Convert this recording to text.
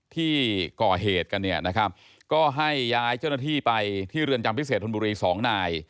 ที่ก่อเหตุกันเนี่ยนะครับก็ให้ย้ายเจ้าหน้าที่ไปที่เรือนจำพิเศษธนบุรีสองนาย